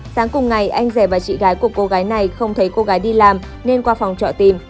sáng cùng ngày anh rể và chị gái của cô gái này không thấy cô gái đi làm nên qua phòng trọ tìm